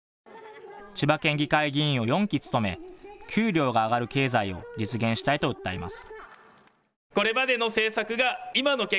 千葉県議会議員を４期務め、給料が上がる経済を実現したいと訴えます。